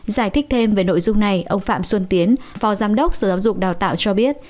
giải thích thêm về nội dung này ông phạm xuân tiến phó giám đốc sở giáo dục đào tạo cho biết